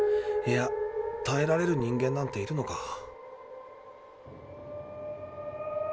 いやたえられる人間なんているのか？